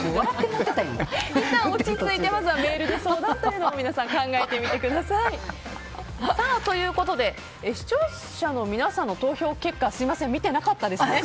落ち着いてまずは皆さんメールで相談というのも皆さん考えてみてください。ということで視聴者の皆さんの投票結果をすみません、見てなかったですね。